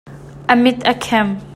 A mit a khem.